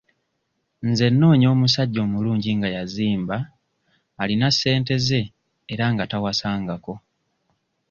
Nze noonya omusajja omulungi nga yazimba, alina ssente ze era nga tawasangako.